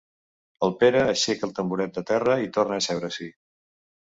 El Pere aixeca el tamboret de terra i torna a asseure-s'hi.